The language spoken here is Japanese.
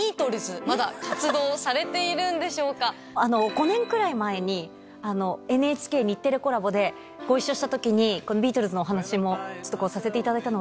５年くらい前にＮＨＫ×日テレコラボでご一緒した時にビートルズのお話もさせていただいた。